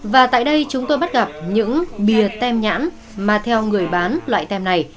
và tại đây chúng tôi bắt gặp những bìa tem nhãn mà theo người bán loại tem này